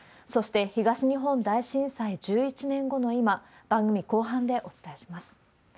そして、東日本大震災１１年後の今、番組後半でお伝えします。